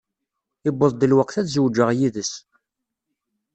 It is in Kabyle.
Iwweḍ-d lweqt ad zewǧeɣ yid-s.